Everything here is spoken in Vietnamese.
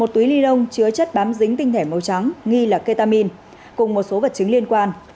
đi đông chứa chất bám dính tinh thể màu trắng nghi là ketamin cùng một số vật chứng liên quan